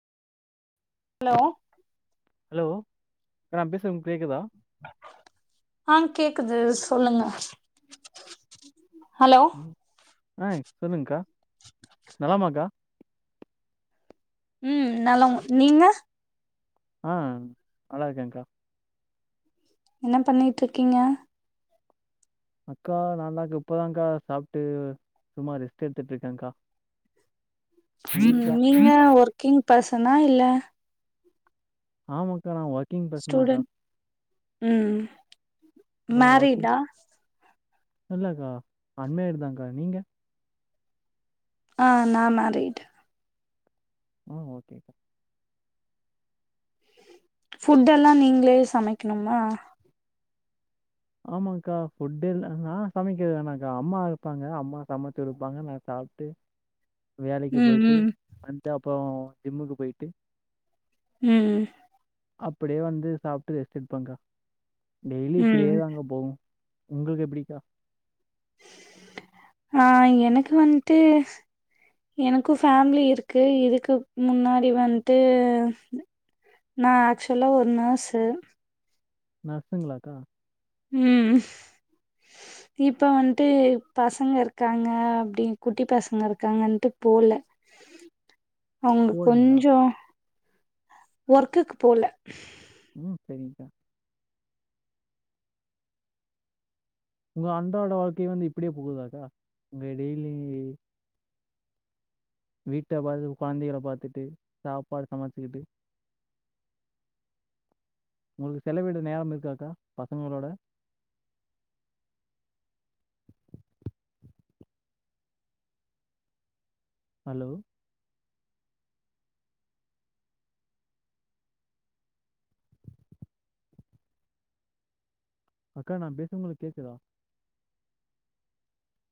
hello hello இப்ப நா பேசுது உங்களுக் கேக்குதா ஆ கேக்குது சொல்லுங்க ஹலோ ஆ சொல்லுங்க்கா நலமாக்கா ம் நலம் நீங்க ஆ நல்லா இருக்கேக்கா என்ன பண்ணிட்டுருக்கீங்க அக்கா நானா இப்பதான்கா சாப்ட்டு சும்மா ரெஸ்ட் எடுத்துட்டு இருக்கேக்கா [inaudible] கிங் பர்சனா இல்ல ஆமாக்கா நா ஒர்க் ஸ்டுடென்ட் ம் ஒகே மேரிடா இல்லக்கா அன் மேரிட் தாங்க்கா நீங்க ஆ நா மேரிட் ம் ஓகேக்கா ஃபுட்டெல்லா நீங்களே சமைக்கணுமா ஆமாக்கா ஃபுட்டெல்லா நா சமைக்க வேணாக்கா அம்மா இருப்பாங்க அம்மா சமச்சிருப்பாங்க நா சாப்ட்டு வேலைக்கு ம் போய்ட்டு ம் வன்ட்டு அப்புறோ ஜிம்முக்கு போய்ட்டு ம் அப்டியே வந்து சாப்ட்டு ரெஸ்ட் எடுப்பங்க்கா டெய்லி ம் இப்டியேதா போவு உங்களுக்கு எப்டிக்கா ஆ எனக்கு வன்ட்டு எனக்கு ஃபேம்லி இருக்கு இதுக்கு முன்னாடி வன்ட்டு நா ஆக்சுவலா ஒரு நர்ஸ்சு நர்ஸ்சுங்களாக்கா ம் இப்ப வன்ட்டு பசங்க இருக்காங்க அப்டின் குட்டி பசங்க இருக்காங்கன்ட்டு போல அவுங்க போடுங்களா கொஞ்சோ ஒர்க்குக்கு போல ம் சரிங்க்கா உங்க அன்றாட வாழ்க்கை வந்து இப்டியே போகுதாக்கா உங்க டெய்லி வீட்ட பாத்து கொழந்தைகள பாத்துட்டு சாப்பாடு சமச்சிகிட்டு உங்களுக்கு செலவீடு நேரம் இருக்காக்கா பசங்களோட ஹலோ அக்கா நான் பேசற உங்களுக்கு கேக்குதா